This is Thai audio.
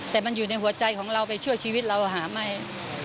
แต่มันอยู่ในหัวใจของเราไปช่วยชีวิตเราหาไม่